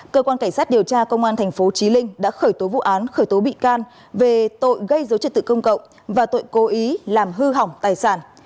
cơ quan cảnh sát điều tra công an tp trí linh đã khởi tố vụ án khởi tố bị can về tội gây dối trật tự công cộng và tội cố ý làm hư hỏng tài sản